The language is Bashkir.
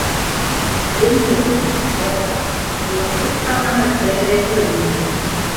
— Белмәйем, балалар, булырлыҡ самаһы бер ҙә күренмәй.